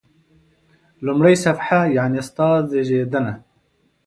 لومړی صفحه: یعنی ستا زیږېدنه.